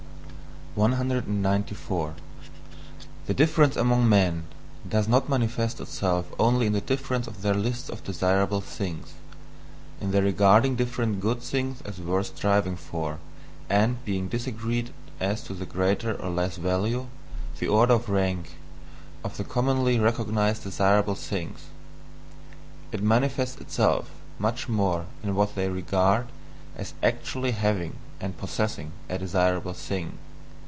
194. The difference among men does not manifest itself only in the difference of their lists of desirable things in their regarding different good things as worth striving for, and being disagreed as to the greater or less value, the order of rank, of the commonly recognized desirable things: it manifests itself much more in what they regard as actually HAVING and POSSESSING a desirable thing.